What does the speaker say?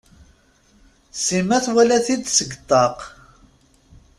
Sima twala-t-id seg ṭṭaq.